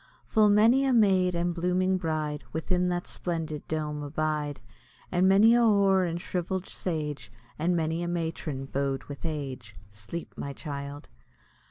Full many a maid and blooming bride Within that splendid dome abide, And many a hoar and shrivell'd sage, And many a matron bow'd with age. Sleep, my child!